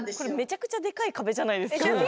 これめちゃくちゃでかい壁じゃないですか。